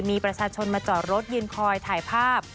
มีประชาชนมาจอดรถยืนคอยถ่ายภาพ